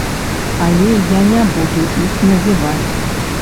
Але я не буду іх называць.